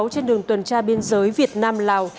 trên đường tuần tra biên giới việt nam lào